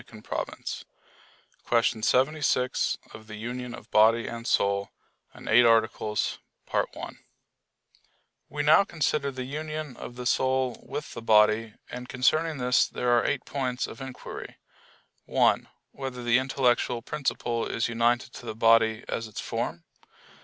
_______________________ QUESTION 76 OF THE UNION OF BODY AND SOUL (In Eight Articles) We now consider the union of the soul with the body; and concerning this there are eight points of inquiry: (1) Whether the intellectual principle is united to the body as its form?